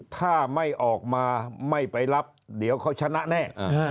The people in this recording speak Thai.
ถ้าไม่ออกมาไม่ไปรับเดี๋ยวเขาชนะแน่